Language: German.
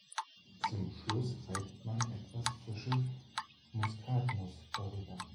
Zum Schluss reibt man etwas frische Muskatnuss darüber.